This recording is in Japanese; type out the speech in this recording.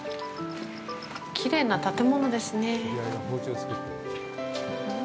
きれいな建物ですね。